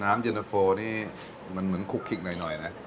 น้ำเจ้าโฟนี่มันเหมือนคลุกคลิกหน่อยนะ